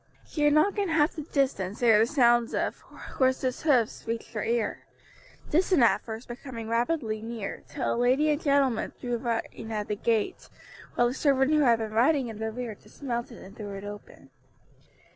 She had not gone half the distance ere the sound of horses' hoofs reached her ear distant at first but coming rapidly nearer, till a lady and gentleman drew rein at the gate, while the servant who had been riding in the rear dismounted and threw it open.